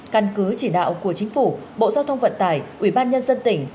căn cứ chỉ đạo của chính phủ bộ giao thông vận tải ủy ban nhân dân tỉnh